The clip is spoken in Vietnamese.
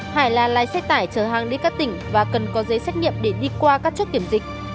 hải là lai xe tải chở hàng đến các tỉnh và cần có giấy xét nghiệm để đi qua các chỗ kiểm dịch